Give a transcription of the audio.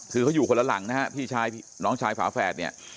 คือเขาอยู่คนละหลังนะฮะพี่ชายน้องชายฝาแฝดเนี่ย